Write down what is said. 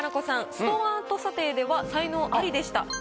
ストーンアート査定では才能アリでした。